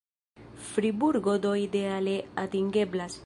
Friburgo do ideale atingeblas.